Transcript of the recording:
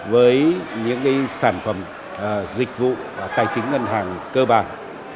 với những sản phẩm dịch vụ tài chính ngân hàng cơ bản